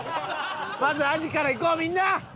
まずアジからいこうみんな！